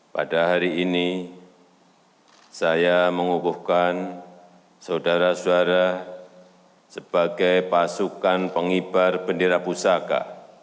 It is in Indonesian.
pada hari ini saya mengukuhkan saudara saudara sebagai pasukan pengibar bendera pusaka